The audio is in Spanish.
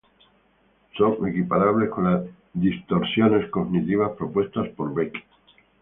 Son equiparables con las distorsiones cognitivas propuestas por Beck.